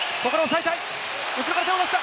後ろから手を出した。